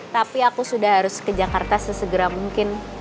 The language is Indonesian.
tapi aku sudah harus ke jakarta sesegera mungkin